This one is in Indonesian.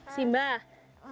saya ada kertas